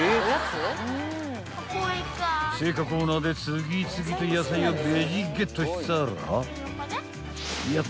［青果コーナーで次々と野菜をベジゲットしたら］